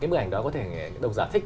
cái bức ảnh đó có thể đồng giả thích